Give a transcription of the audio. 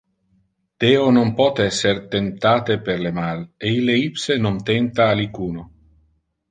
Deo non pote esser temptate per le mal, e ille ipse non tempta alicuno.